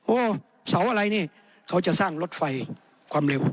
เสาอะไรนี่เขาจะสร้างรถไฟความเร็ว